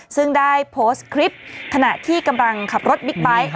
ซึ่งได้โพสต์คลิปขณะที่กำลังขับรถบิ๊กไบท์